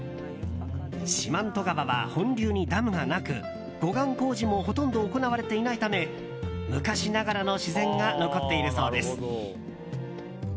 四万十川は本流にダムがなく護岸工事もほとんど行われていないため昔ながらの自然が残っているそうです。